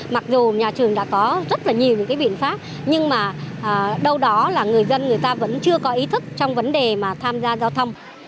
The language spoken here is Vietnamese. mặc dù nhà trường đã có rất nhiều biện pháp nhưng mà đâu đó là người dân vẫn chưa có ý thức trong vấn đề tham gia giao thông